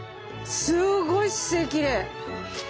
すごい姿勢きれい！